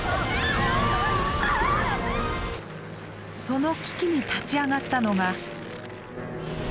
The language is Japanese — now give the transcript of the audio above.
その危機に立ち上がったのが。